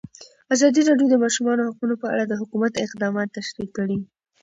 ازادي راډیو د د ماشومانو حقونه په اړه د حکومت اقدامات تشریح کړي.